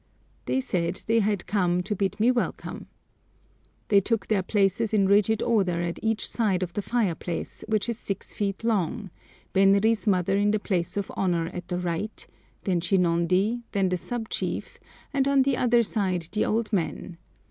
They said they had come "to bid me welcome." They took their places in rigid order at each side of the fireplace, which is six feet long, Benri's mother in the place of honour at the right, then Shinondi, then the sub chief, and on the other side the old men.